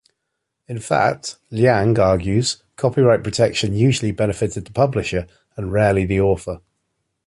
In fact, Liang argues, copyright protection usually benefited the publisher, and rarely the author.